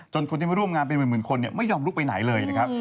คนที่มาร่วมงานเป็นหมื่นคนไม่ยอมลุกไปไหนเลยนะครับ